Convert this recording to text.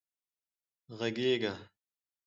غږېږه